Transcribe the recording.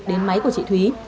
đến máy của chị thúy